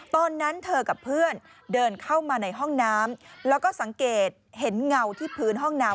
ตอนนั้นเธอกับเพื่อนเดินเข้ามาในห้องน้ำแล้วก็สังเกตเห็นเงาที่พื้นห้องน้ำ